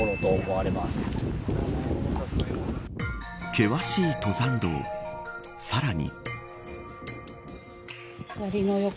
険しい登山道さらに。